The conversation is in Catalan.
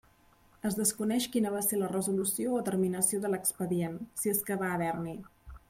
Es desconeix quina va ser la resolució o terminació de l'expedient, si és que va haver-n'hi.